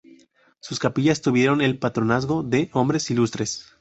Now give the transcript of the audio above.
Sus capillas tuvieron el patronazgo de hombres ilustres.